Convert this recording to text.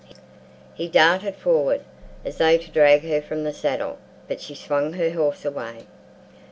He darted forward as though to drag her from the saddle, but she swung her horse away.